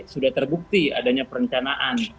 sudah terbukti adanya perencanaan